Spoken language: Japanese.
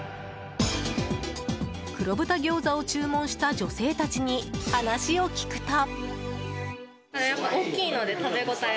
黒豚餃子を注文した女性たちに話を聞くと。